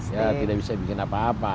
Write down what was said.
ya tidak bisa bikin apa apa